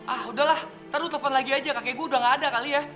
ah udahlah ntar lu telepon lagi aja kakek gue udah nggak ada kali ya